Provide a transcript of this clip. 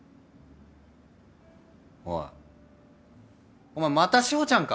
おいお前また志保ちゃんか？